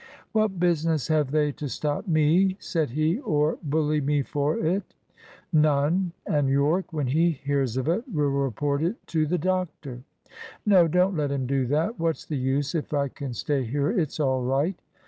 "What business have they to stop me," said he, "or bully me for it?" "None. And Yorke, when he hears of it, will report it to the doctor." "No, don't let him do that. What's the use? If I can stay here it's all right."